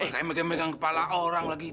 eh kayak megang kepala orang lagi